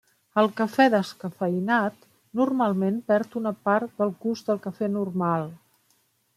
El cafè descafeïnat normalment perd una part del gust del cafè normal.